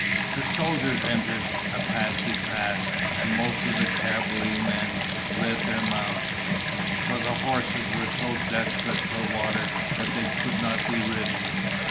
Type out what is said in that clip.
The soldiers entered Apache Pass, and most of the cavalrymen led their mounts, for the horses were so desperate for water that they could not be ridden.